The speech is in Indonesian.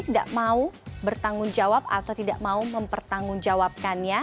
tidak mau bertanggung jawab atau tidak mau mempertanggung jawabkannya